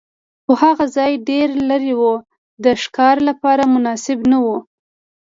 خو هغه ځای ډېر لرې و، د ښکار لپاره مناسب نه و.